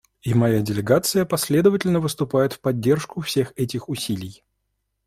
И моя делегация последовательно выступает в поддержку всех этих усилий.